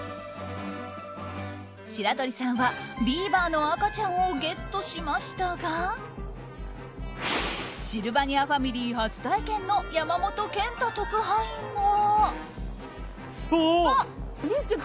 白鳥さんはビーバーの赤ちゃんをゲットしましたがシルバニアファミリー初体験の山本賢太特派員は。